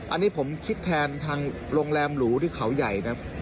อันนี้ผมคิดแทนทางโรงแรมหรูที่เขาใหญ่นะ